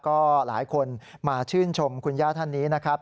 ก็หลายคนมาชื่นชมคุณย่าท่านนี้นะครับ